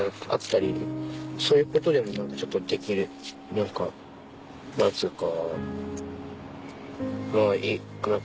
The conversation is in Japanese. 何か何つうか。